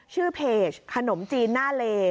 ชื่อเพจขนมจีนหน้าเล